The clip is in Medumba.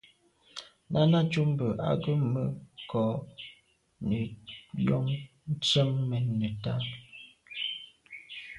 Náná cúp mbə̄ á gə̀ mə́ kɔ̌ nə̀ jɔ̌ŋ tsjə́n mɛ́n nə̀tá.